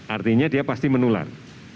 artinya dia pasti menular